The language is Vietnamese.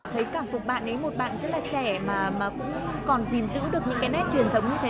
thấy cảm phục bạn ấy một bạn rất là trẻ mà cũng còn gìn giữ được những cái nét truyền thống như thế